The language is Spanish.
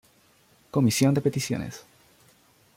Comisión de Peticiones.